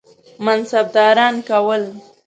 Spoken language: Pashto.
منصبداران کول.